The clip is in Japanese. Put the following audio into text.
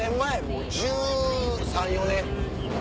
もう１３１４年？